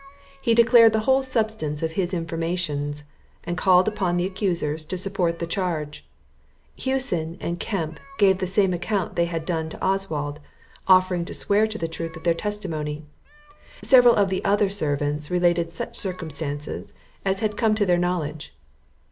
He declared the whole substance of his informations, and called upon the accusers to support the charge. Hewson and Kemp gave the same account they had done to Oswald, offering to swear to the truth of their testimony; several of the other servants related such circumstances as had come to their knowledge.